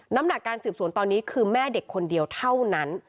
น้ำหนักการสืบสวนตอนนี้คือแม่เด็กคนเดียวเท่านั้น